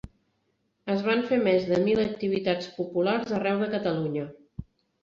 Es van fer més de mil activitats populars arreu de Catalunya.